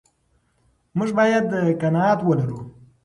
موږ باید قناعت ولرو.